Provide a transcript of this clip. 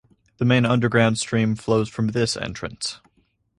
The main underground stream flows from this entrance.